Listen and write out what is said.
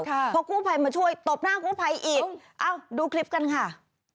เพราะครูภัยมาช่วยตบหน้าครูภัยอีกดูคลิปกันค่ะ